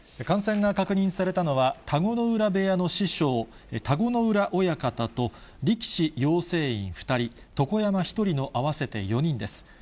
感染が確認されたのは、田子ノ浦部屋の師匠、田子ノ浦親方と、力士養成員２人、床山１人の合わせて４人です。